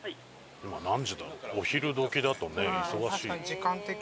今何時だ？お昼どきだとね忙しい。